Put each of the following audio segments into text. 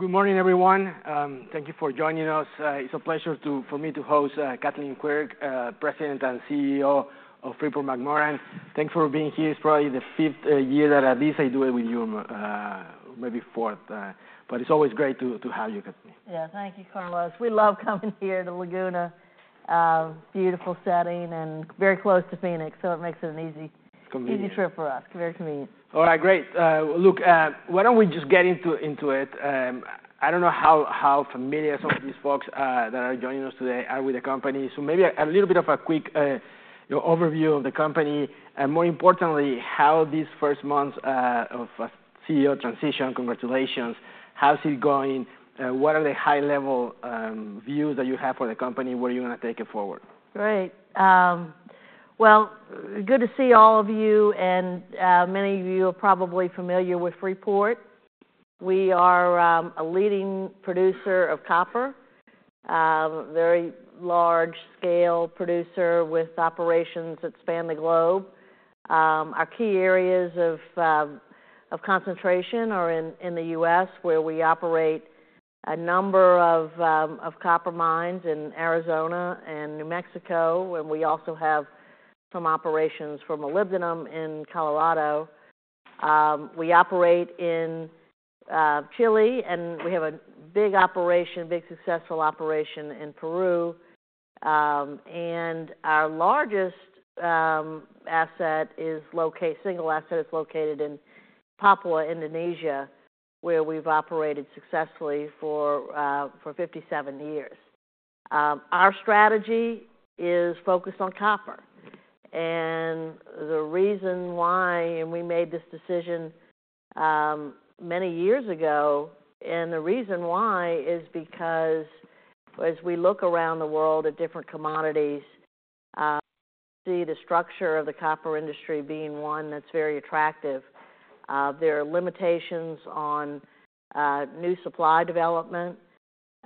Good morning, everyone. Thank you for joining us. It's a pleasure for me to host Kathleen Quirk, President and CEO of Freeport-McMoRan. Thanks for being here. It's probably the fifth year that at least I do it with you, maybe fourth, but it's always great to have you, Kathleen. Yeah. Thank you, Carlos. We love coming here to Laguna. Beautiful setting and very close to Phoenix, so it makes it an easy. Convenient. An easy trip for us. Very convenient. All right, great. Look, why don't we just get into it? I don't know how familiar some of these folks that are joining us today are with the company, so maybe a little bit of a quick overview of the company, and more importantly, how these first months of CEO transition? Congratulations! How's it going? What are the high-level views that you have for the company? Where are you going to take it forward? Great. Well, good to see all of you, and many of you are probably familiar with Freeport. We are a leading producer of copper, very large-scale producer with operations that span the globe. Our key areas of concentration are in the U.S., where we operate a number of copper mines in Arizona and New Mexico, and we also have some operations for molybdenum in Colorado. We operate in Chile, and we have a big operation, successful operation in Peru, and our largest single asset is located in Papua, Indonesia, where we've operated successfully for 57 years. Our strategy is focused on copper, and the reason why, and we made this decision many years ago, and the reason why is because as we look around the world at different commodities, see the structure of the copper industry being one that's very attractive. There are limitations on new supply development,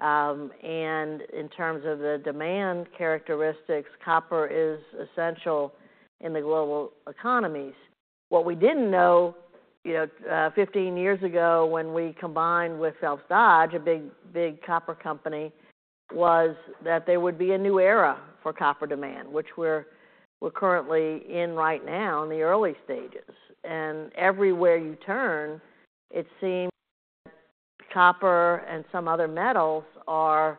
and in terms of the demand characteristics, copper is essential in the global economies. What we didn't know, you know, 15 years ago, when we combined with Phelps Dodge, a big, big copper company, was that there would be a new era for copper demand, which we're currently in right now, in the early stages. And everywhere you turn, it seems copper and some other metals are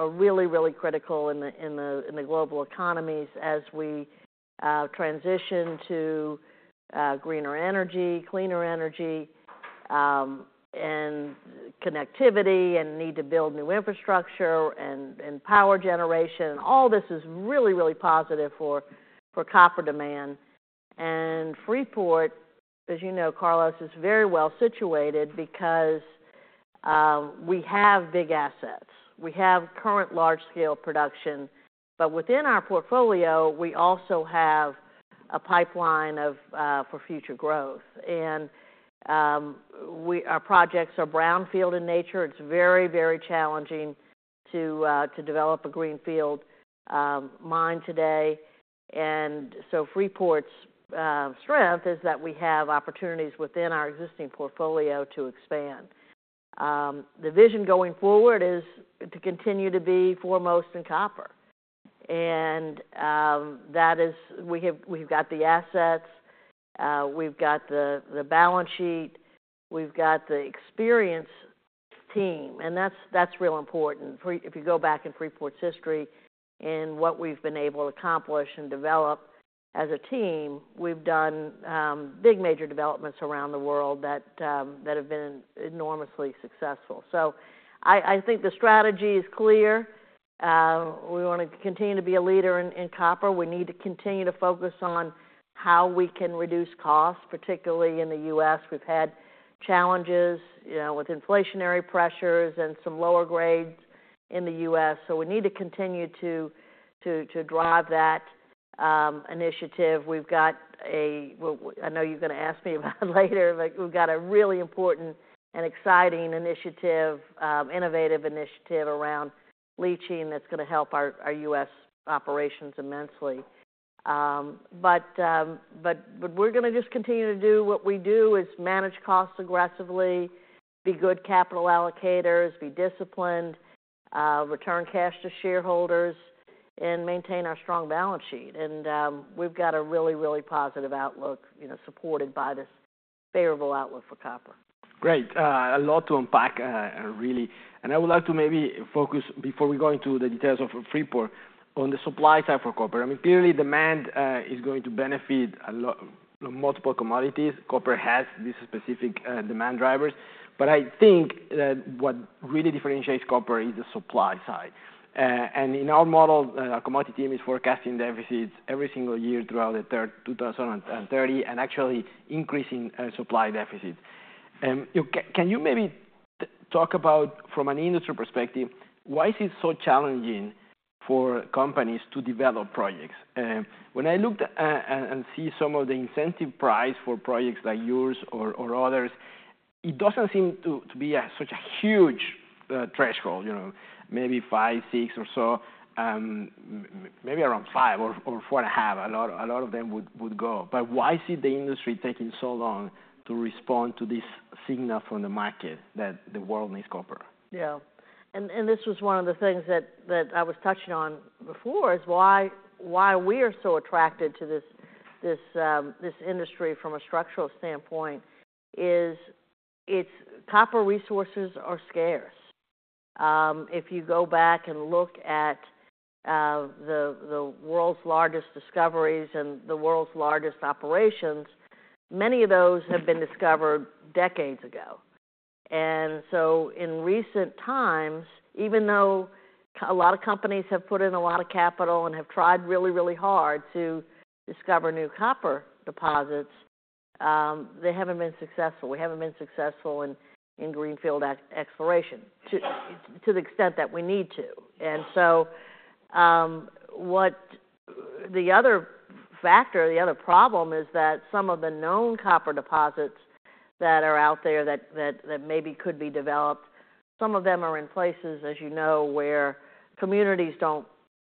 really, really critical in the global economies as we transition to greener energy, cleaner energy, and connectivity and need to build new infrastructure and power generation. All this is really, really positive for copper demand. And Freeport, as you know, Carlos, is very well situated because we have big assets. We have current large-scale production, but within our portfolio, we also have a pipeline for future growth. And our projects are brownfield in nature. It's very, very challenging to develop a greenfield mine today. And so Freeport's strength is that we have opportunities within our existing portfolio to expand. The vision going forward is to continue to be foremost in copper, and, that is, we've got the assets, we've got the, the balance sheet, we've got the experienced team, and that's, that's real important. Freeport's if you go back in Freeport's history and what we've been able to accomplish and develop as a team, we've done, big, major developments around the world that, that have been enormously successful. So I think the strategy is clear. We want to continue to be a leader in copper. We need to continue to focus on how we can reduce costs, particularly in the U.S. We've had challenges, you know, with inflationary pressures and some lower grades in the U.S., so we need to continue to drive that, initiative. We've got a really important and exciting initiative, innovative initiative around leaching that's going to help our U.S. operations immensely, but we're going to just continue to do what we do, is manage costs aggressively, be good capital allocators, be disciplined, return cash to shareholders, and maintain our strong balance sheet, and we've got a really, really positive outlook, you know, supported by this favorable outlook for copper. Great, a lot to unpack really. And I would like to maybe focus, before we go into the details of Freeport, on the supply side for copper. I mean, clearly demand is going to benefit a lot, multiple commodities. Copper has these specific demand drivers, but I think that what really differentiates copper is the supply side. And in our model, commodity team is forecasting deficits every single year throughout to 2030, and actually increasing supply deficits. Can you maybe talk about, from an industry perspective, why is it so challenging for companies to develop projects? When I looked and see some of the incentive price for projects like yours or others, it doesn't seem to be such a-..Huge threshold, you know, maybe five, six or so, maybe around five or four and a half, a lot of them would go. But why is it the industry taking so long to respond to this signal from the market that the world needs copper? Yeah. And this was one of the things that I was touching on before, is why we are so attracted to this industry from a structural standpoint, is it's copper resources are scarce. If you go back and look at the world's largest discoveries and the world's largest operations, many of those have been discovered decades ago. And so in recent times, even though a lot of companies have put in a lot of capital and have tried really hard to discover new copper deposits, they haven't been successful. We haven't been successful in greenfield exploration, to the extent that we need to. And so, what the other factor, the other problem is that some of the known copper deposits that are out there that maybe could be developed, some of them are in places, as you know, where communities don't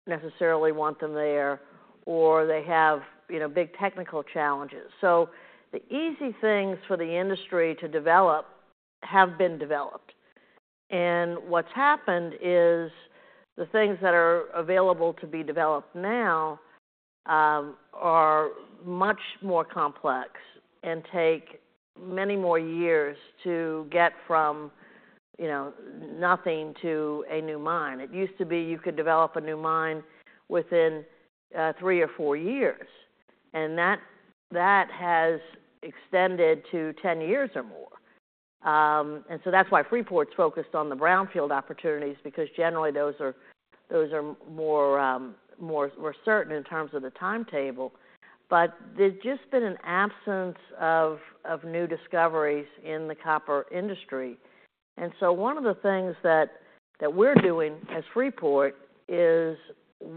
necessarily want them there, or they have, you know, big technical challenges. The easy things for the industry to develop have been developed, and what's happened is the things that are available to be developed now are much more complex and take many more years to get from, you know, nothing to a new mine. It used to be you could develop a new mine within three or four years, and that has extended to 10 years or more, and so that's why Freeport's focused on the brownfield opportunities, because generally, those are more certain in terms of the timetable. But there's just been an absence of new discoveries in the copper industry. And so one of the things that we're doing as Freeport is,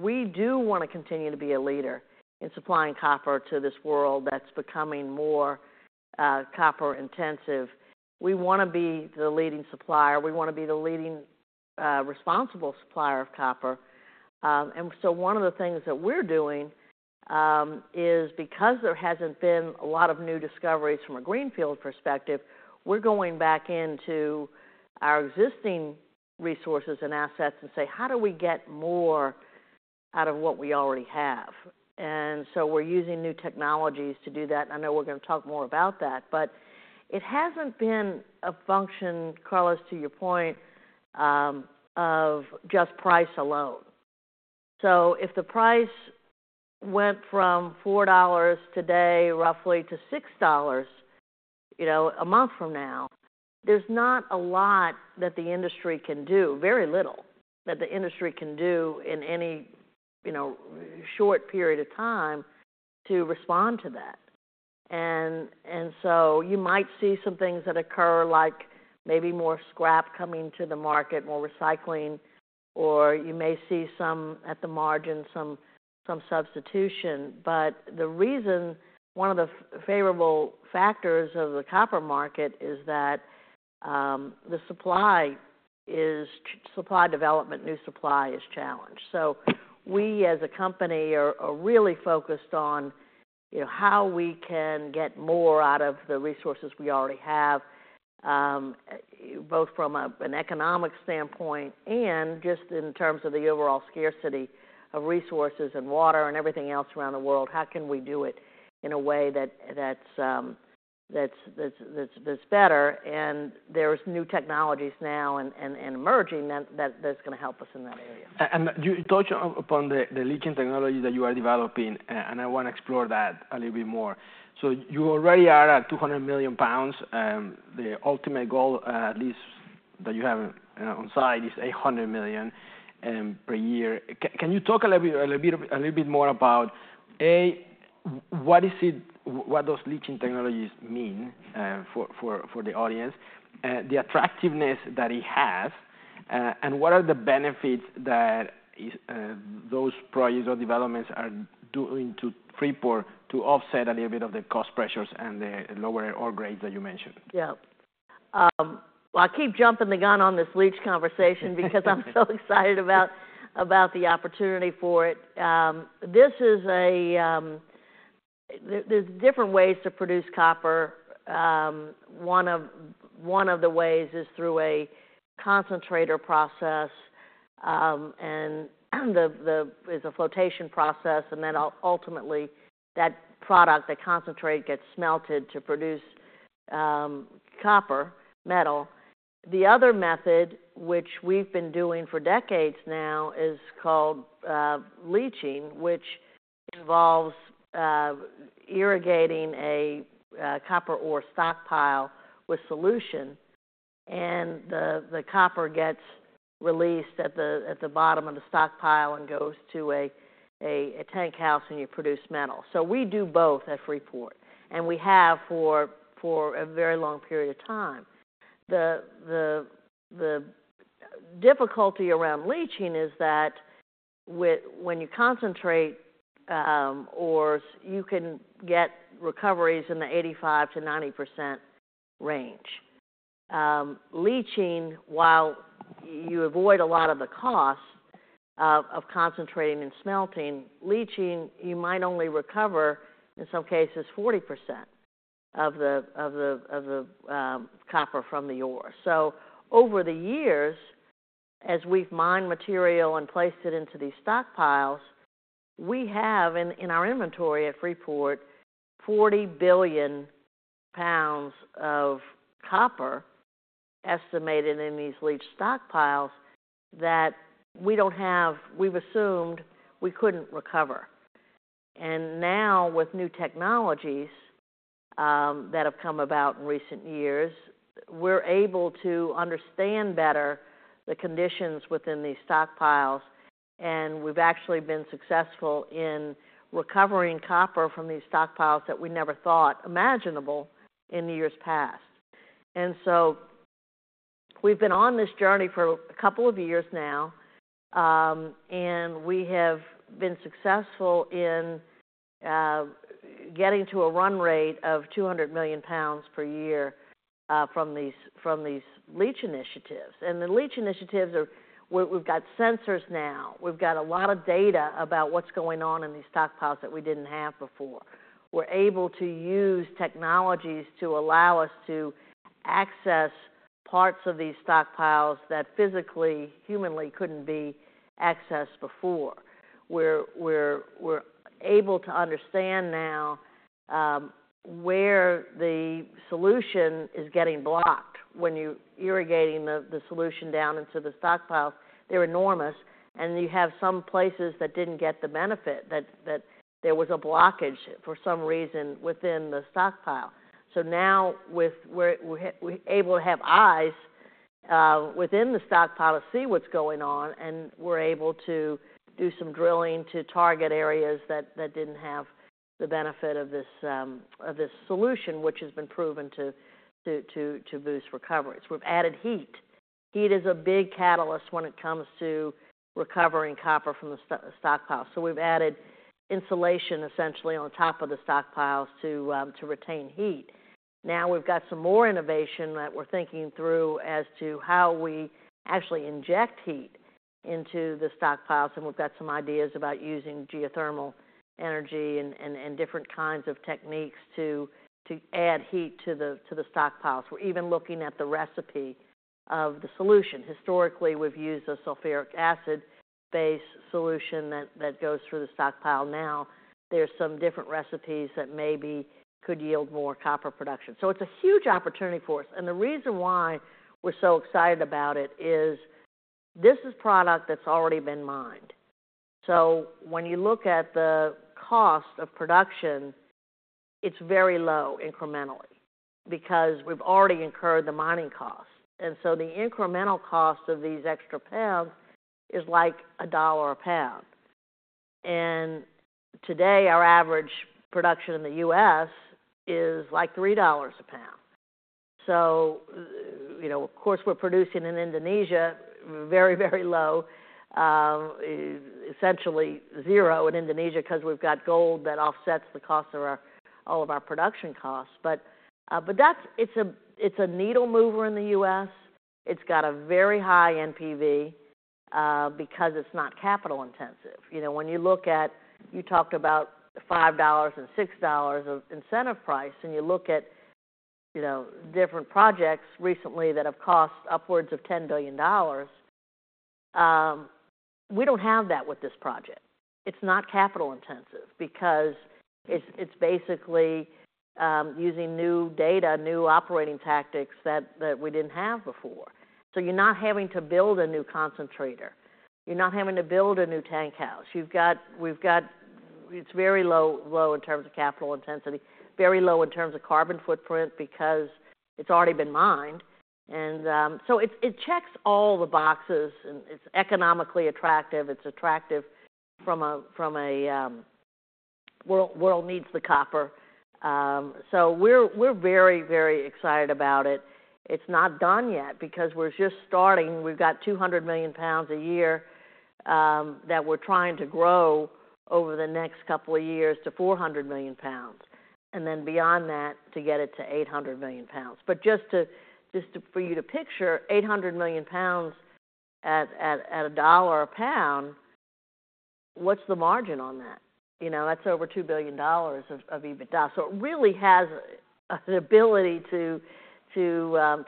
we do want to continue to be a leader in supplying copper to this world that's becoming more copper intensive. We want to be the leading supplier, we want to be the leading responsible supplier of copper. And so one of the things that we're doing is because there hasn't been a lot of new discoveries from a Greenfield perspective, we're going back into our existing resources and assets and say: How do we get more out of what we already have? And so we're using new technologies to do that, and I know we're going to talk more about that. But it hasn't been a function, Carlos, to your point, of just price alone. So if the price went from $4 today, roughly, to $6, you know, a month from now, there's not a lot that the industry can do, very little that the industry can do in any, you know, short period of time to respond to that. And so you might see some things that occur, like maybe more scrap coming to the market, more recycling, or you may see some, at the margin, some substitution. But the reason, one of the favorable factors of the copper market is that the supply development, new supply is challenged. So we, as a company, are really focused on, you know, how we can get more out of the resources we already have, both from an economic standpoint and just in terms of the overall scarcity of resources and water and everything else around the world. How can we do it in a way that's better? And there's new technologies now and emerging, that that's going to help us in that area. And you touched upon the leaching technology that you are developing, and I want to explore that a little bit more. So you already are at 200 million pounds, the ultimate goal, at least that you have, on site, is 100 million pounds per year. Can you talk a little bit more about A, what those leaching technologies mean for the audience, the attractiveness that it has, and what are the benefits that is those projects or developments are doing to Freeport to offset a little bit of the cost pressures and the lower ore grades that you mentioned? Yeah. Well, I keep jumping the gun on this leaching conversation because I'm so excited about the opportunity for it. This is, there's different ways to produce copper. One of the ways is through a concentrator process, and is a flotation process, and then ultimately, that product, the concentrate, gets smelted to produce copper metal. The other method, which we've been doing for decades now, is called leaching, which involves irrigating a copper ore stockpile with solution, and the copper gets released at the bottom of the stockpile and goes to a tank house, and you produce metal. So we do both at Freeport, and we have for a very long period of time. The difficulty around leaching is that when you concentrate ores, you can get recoveries in the 85% to 90% range. Leaching, while you avoid a lot of the costs of concentrating and smelting, leaching, you might only recover in some cases 40% of the copper from the ore. So over the years, as we've mined material and placed it into these stockpiles, we have in our inventory at Freeport 40 billion pounds of copper estimated in these leach stockpiles that we don't have. We've assumed we couldn't recover. Now, with new technologies that have come about in recent years, we're able to understand better the conditions within these stockpiles, and we've actually been successful in recovering copper from these stockpiles that we never thought imaginable in the years past. And so we've been on this journey for a couple of years now, and we have been successful in getting to a run rate of 200 million pounds per year from these leach initiatives. The leach initiatives are where we've got sensors now. We've got a lot of data about what's going on in these stockpiles that we didn't have before. We're able to use technologies to allow us to access parts of these stockpiles that physically, humanly couldn't be accessed before. We're able to understand now where the solution is getting blocked when you're irrigating the solution down into the stockpiles. They're enormous, and you have some places that didn't get the benefit, that there was a blockage for some reason within the stockpile. So now, with where we're able to have eyes within the stockpile to see what's going on, and we're able to do some drilling to target areas that didn't have the benefit of this solution, which has been proven to boost recoveries. We've added heat. Heat is a big catalyst when it comes to recovering copper from the stockpiles. So we've added insulation, essentially, on top of the stockpiles to retain heat. Now, we've got some more innovation that we're thinking through as to how we actually inject heat into the stockpiles, and we've got some ideas about using geothermal energy and different kinds of techniques to add heat to the stockpiles. We're even looking at the recipe of the solution. Historically, we've used a sulfuric acid-based solution that goes through the stockpile. Now, there's some different recipes that maybe could yield more copper production. So it's a huge opportunity for us. And the reason why we're so excited about it is this is product that's already been mined. So when you look at the cost of production, it's very low incrementally because we've already incurred the mining cost. And so the incremental cost of these extra pounds is, like, $1 a pound. And today, our average production in the U.S. is like $3 a pound. So, you know, of course, we're producing in Indonesia, very, very low, essentially zero in Indonesia because we've got gold that offsets the cost of all of our production costs. But that's a needle mover in the U.S. It's got a very high NPV, because it's not capital intensive. You know, when you look at. You talked about $5 and $6 of incentive price, and you look at, you know, different projects recently that have cost upwards of $10 billion, we don't have that with this project. It's not capital intensive because it's basically using new data, new operating tactics that we didn't have before. So you're not having to build a new concentrator. You're not having to build a new tank house. It's very low in terms of capital intensity, very low in terms of carbon footprint because it's already been mined. So it checks all the boxes, and it's economically attractive. It's attractive from a world needs the copper. So we're very excited about it. It's not done yet because we're just starting. We've got 200 million pounds a year that we're trying to grow over the next couple of years to 400 million pounds, and then beyond that, to get it to 800 million pounds. But just to for you to picture, 800 million pounds at $1 a pound, what's the margin on that? You know, that's over $2 billion of EBITDA. So it really has the ability to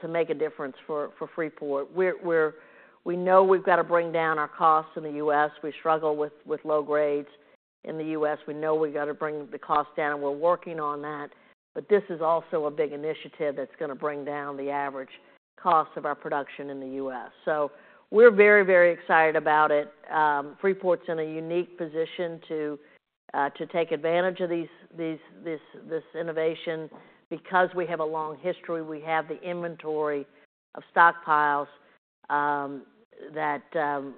make a difference for Freeport. We know we've got to bring down our costs in the U.S. We struggle with low grades in the U.S. We know we've got to bring the costs down, and we're working on that. But this is also a big initiative that's going to bring down the average cost of our production in the U.S. So we're very, very excited about it. Freeport's in a unique position to take advantage of this innovation. Because we have a long history, we have the inventory of stockpiles that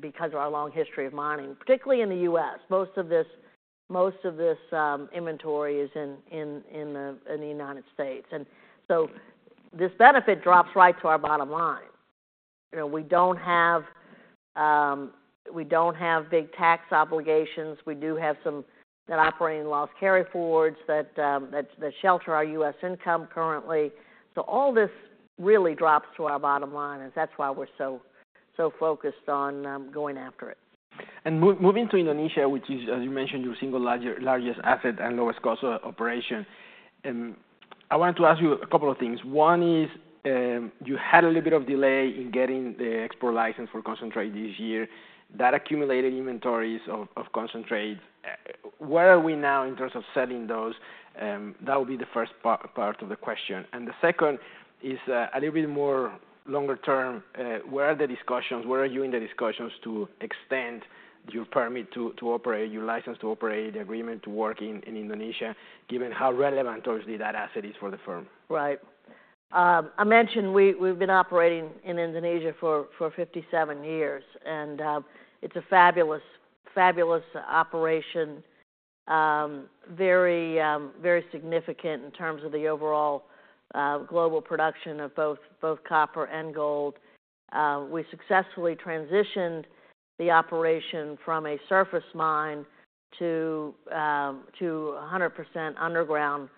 because of our long history of mining, particularly in the U.S. Most of this inventory is in the United States. And so this benefit drops right to our bottom line. You know, we don't have big tax obligations. We do have some net operating loss carryforwards that shelter our U.S. income currently. So all this really drops to our bottom line, and that's why we're so focused on going after it. Moving to Indonesia, which is, as you mentioned, your single largest asset and lowest cost operation. I wanted to ask you a couple of things. One is, you had a little bit of delay in getting the export license for concentrate this year. That accumulated inventories of concentrate, where are we now in terms of selling those? That would be the first part of the question. And the second is a little bit more longer term. Where are the discussions? Where are you in the discussions to extend your permit to operate, your license to operate, the agreement to work in Indonesia, given how relevant towards that asset is for the firm? Right. I mentioned we've been operating in Indonesia for 57 years, and it's a fabulous operation, very significant in terms of the overall global production of both copper and gold. We successfully transitioned the operation from a surface mine to 100% underground,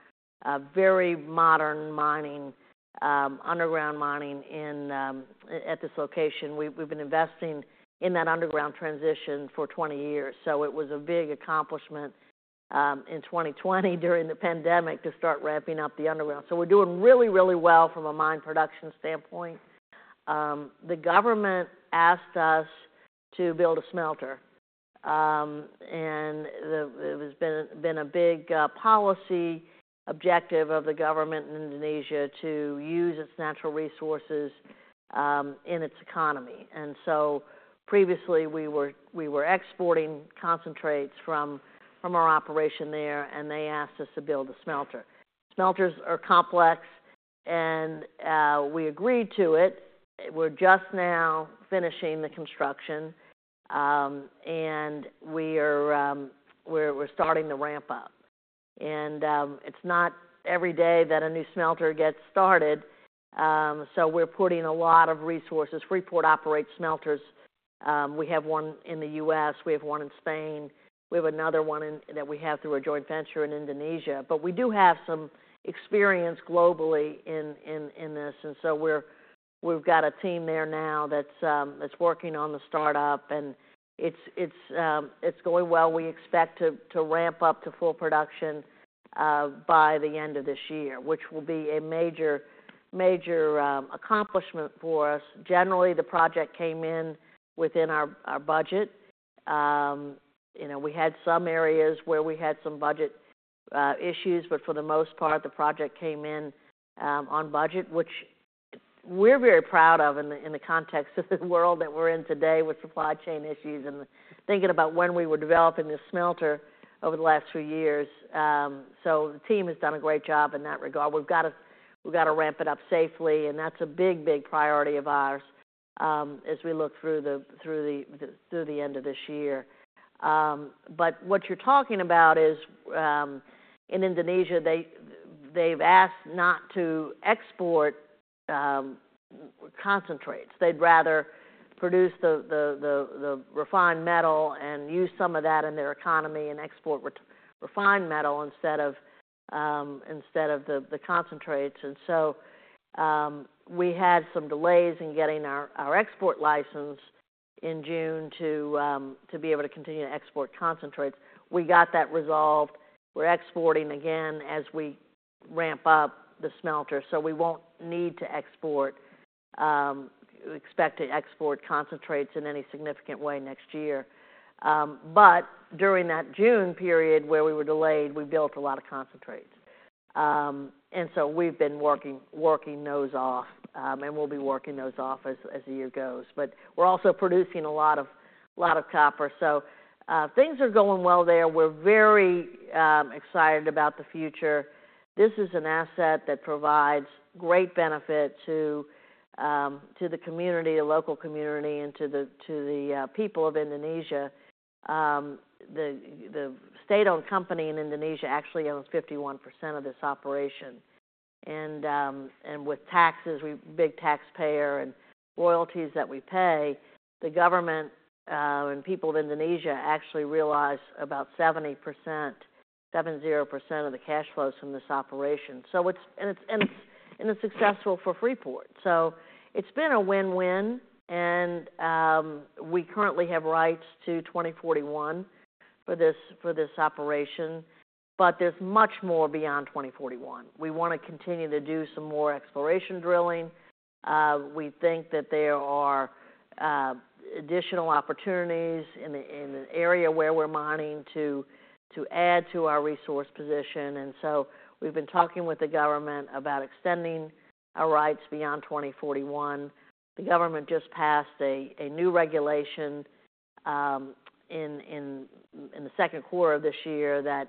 very modern mining, underground mining at this location. We've been investing in that underground transition for 20 years, so it was a big accomplishment in 2020 during the pandemic to start ramping up the underground so we're doing really well from a mine production standpoint. The government asked us to build a smelter, and it has been a big policy objective of the government in Indonesia to use its natural resources in its economy. Previously we were exporting concentrates from our operation there, and they asked us to build a smelter. Smelters are complex, and we agreed to it. We're just now finishing the construction, and we are starting the ramp up. It's not every day that a new smelter gets started, so we're putting a lot of resources. Freeport operates smelters. We have one in the U.S. We have one in Spain. We have another one that we have through a joint venture in Indonesia. But we do have some experience globally in this, and so we've got a team there now that's working on the startup, and it's going well. We expect to ramp up to full production by the end of this year, which will be a major, major accomplishment for us. Generally, the project came in within our budget. You know, we had some areas where we had some budget issues, but for the most part, the project came in on budget, which we're very proud of in the context of the world that we're in today with supply chain issues and thinking about when we were developing this smelter over the last few years. So the team has done a great job in that regard. We've got to ramp it up safely, and that's a big, big priority of ours as we look through the end of this year. But what you're talking about is in Indonesia. They have asked not to export concentrates. They'd rather produce the refined metal and use some of that in their economy and export refined metal instead of the concentrates. We had some delays in getting our export license in June to be able to continue to export concentrates. We got that resolved. We're exporting again as we ramp up the smelter, so we won't need to export concentrates in any significant way next year. During that June period where we were delayed, we built a lot of concentrates. We've been working those off, and we'll be working those off as the year goes. We're also producing a lot of copper. So, things are going well there. We're very excited about the future. This is an asset that provides great benefit to the community, the local community, and to the people of Indonesia. The state-owned company in Indonesia actually owns 51% of this operation. And with taxes, we're a big taxpayer and royalties that we pay, the government and people of Indonesia actually realize about 70%, 7-0 percent of the cash flows from this operation. So it's successful for Freeport. So it's been a win-win, and we currently have rights to 2041 for this operation, but there's much more beyond 2041. We want to continue to do some more exploration drilling. We think that there are additional opportunities in the area where we're mining to add to our resource position, and so we've been talking with the government about extending our rights beyond 2041. The government just passed a new regulation in the second quarter of this year that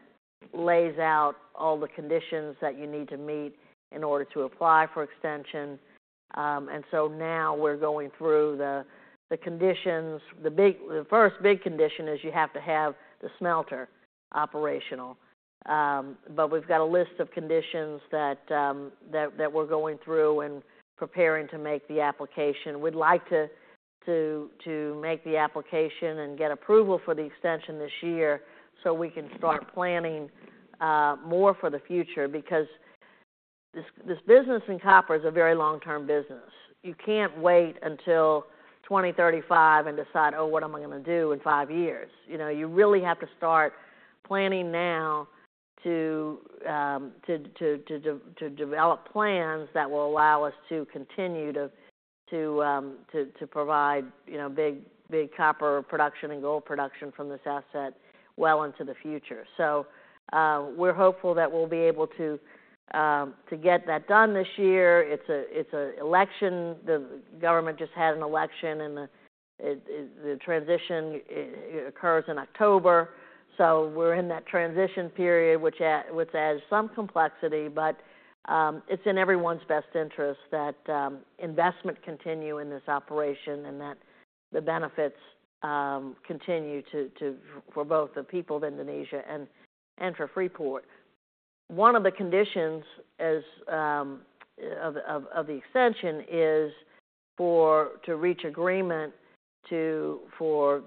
lays out all the conditions that you need to meet in order to apply for extension, and so now we're going through the conditions. The first big condition is you have to have the smelter operational, but we've got a list of conditions that we're going through and preparing to make the application. We'd like to make the application and get approval for the extension this year, so we can start planning more for the future. Because this business in copper is a very long-term business. You can't wait until 2035 and decide, "Oh, what am I going to do in five years?" You know, you really have to start planning now to develop plans that will allow us to continue to provide, you know, big copper production and gold production from this asset well into the future. So, we're hopeful that we'll be able to get that done this year. It's an election. The government just had an election, and the transition occurs in October. So we're in that transition period, which adds some complexity. It's in everyone's best interest that investment continue in this operation and that the benefits continue for both the people of Indonesia and for Freeport. One of the conditions of the extension is to reach agreement for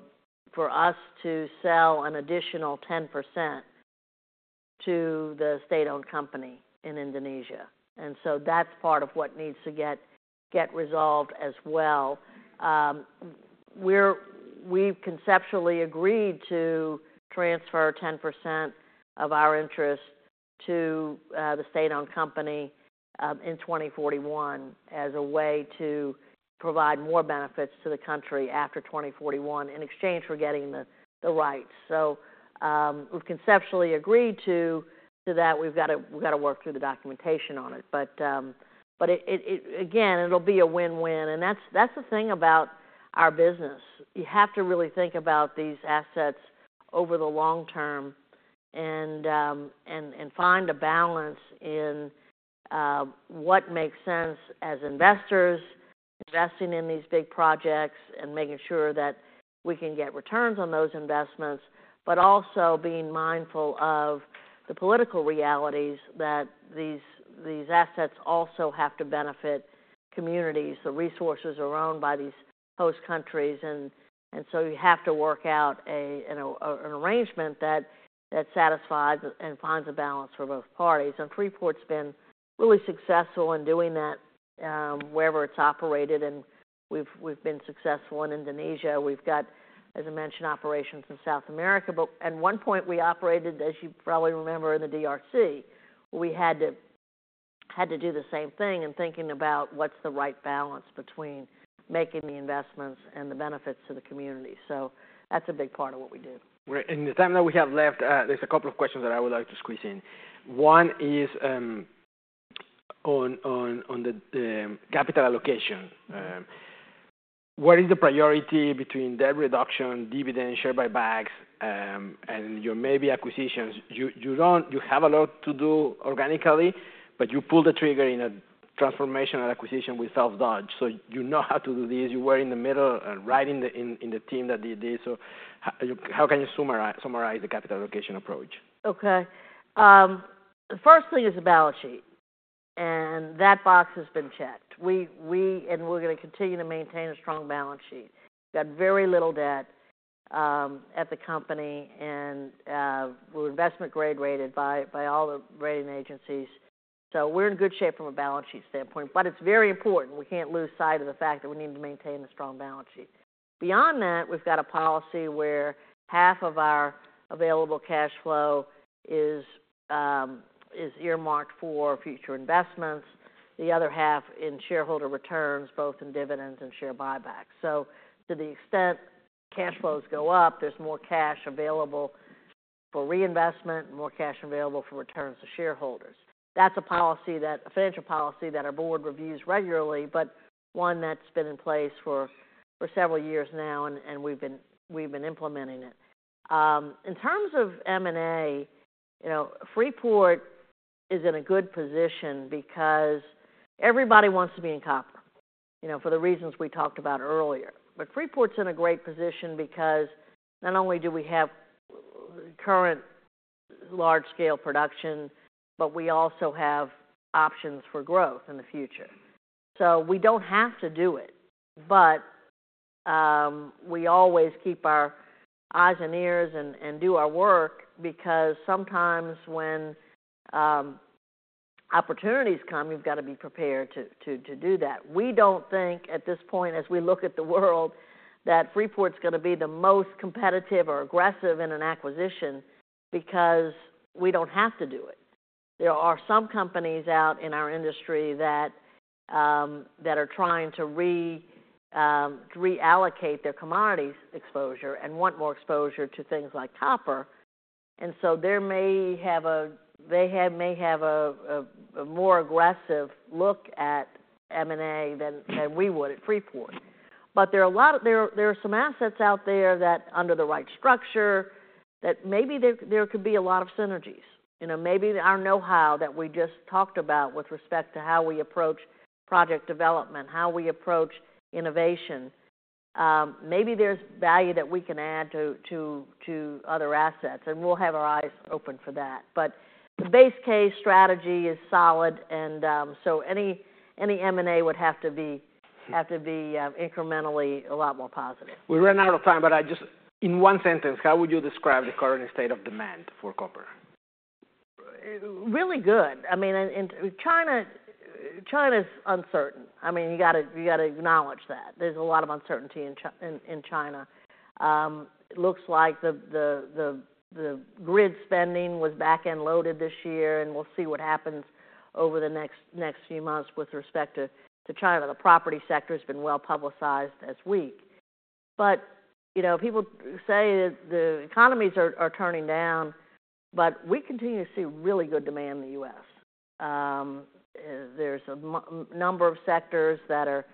us to sell an additional 10% to the state-owned company in Indonesia, and so that's part of what needs to get resolved as well. We've conceptually agreed to transfer 10% of our interest to the state-owned company in 2041 as a way to provide more benefits to the country after 2041 in exchange for getting the rights. We've conceptually agreed to that. We've got to work through the documentation on it, but it again, it'll be a win-win, and that's the thing about our business. You have to really think about these assets over the long term and find a balance in what makes sense as investors, investing in these big projects and making sure that we can get returns on those investments. But also being mindful of the political realities, that these assets also have to benefit communities. The resources are owned by these host countries, and so you have to work out an arrangement that satisfies and finds a balance for both parties. Freeport's been really successful in doing that, wherever it's operated, and we've been successful in Indonesia. We've got, as I mentioned, operations in South America. But at one point, we operated, as you probably remember, in the DRC. We had to do the same thing in thinking about what's the right balance between making the investments and the benefits to the community, so that's a big part of what we do. Great. In the time that we have left, there's a couple of questions that I would like to squeeze in. One is on the capital allocation. What is the priority between debt reduction, dividend, share buybacks, and your maybe acquisitions? You have a lot to do organically, but you pull the trigger in a transformational acquisition with Phelps Dodge, so you know how to do this. You were in the middle, right in the team that did this. So how can you summarize the capital allocation approach? Okay. The first thing is the balance sheet, and that box has been checked. We and we're going to continue to maintain a strong balance sheet. Got very little debt at the company, and we're investment grade-rated by all the rating agencies. So we're in good shape from a balance sheet standpoint, but it's very important. We can't lose sight of the fact that we need to maintain a strong balance sheet. Beyond that, we've got a policy where half of our available cash flow is earmarked for future investments, the other half in shareholder returns, both in dividends and share buybacks. So to the extent cash flows go up, there's more cash available for reinvestment and more cash available for returns to shareholders. That's a policy that a financial policy that our board reviews regularly, but one that's been in place for several years now, and we've been implementing it. In terms of M&A, you know, Freeport is in a good position because everybody wants to be in copper, you know, for the reasons we talked about earlier. But Freeport's in a great position because not only do we have current large-scale production, but we also have options for growth in the future. So we don't have to do it, but we always keep our eyes and ears and do our work, because sometimes when opportunities come, you've got to be prepared to do that. We don't think at this point, as we look at the world, that Freeport's going to be the most competitive or aggressive in an acquisition, because we don't have to do it. There are some companies out in our industry that are trying to reallocate their commodities exposure and want more exposure to things like copper. And so they may have a more aggressive look at M&A than we would at Freeport. But there are some assets out there that, under the right structure, that maybe there could be a lot of synergies. You know, maybe our know-how that we just talked about with respect to how we approach project development, how we approach innovation, maybe there's value that we can add to other assets, and we'll have our eyes open for that. But the base case strategy is solid, and so any M&A would have to be incrementally a lot more positive. We ran out of time, but I just, in one sentence, how would you describe the current state of demand for copper? Really good. I mean, and China, China's uncertain. I mean, you got to acknowledge that. There's a lot of uncertainty in China. It looks like the grid spending was back-end loaded this year, and we'll see what happens over the next few months with respect to China. The property sector has been well-publicized as weak. But, you know, people say that the economies are turning down, but we continue to see really good demand in the U.S. There's a number of sectors that are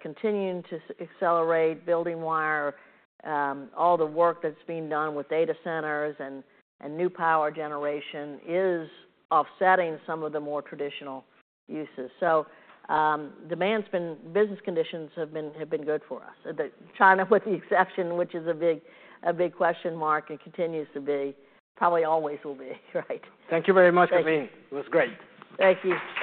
continuing to accelerate, building wire, all the work that's being done with data centers and new power generation is offsetting some of the more traditional uses. So, demand's been good. Business conditions have been good for us. The China, with the exception, which is a big, a big question mark and continues to be, probably always will be, right? Thank you very much, Kathleen. Thank you. It was great. Thank you.